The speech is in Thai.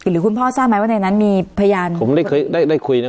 หรือคุณพ่อทราบไหมว่าในนั้นมีพยานผมได้เคยได้ได้คุยนะ